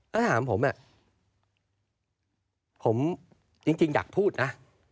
ถ้าถามผมผมจริงอยากพูดนะ